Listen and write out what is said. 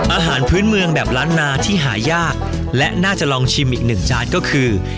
อาหารพื้นเมืองแบบล้านนาที่หายากและน่าจะลองชิมอีกหนึ่งจานก็คือ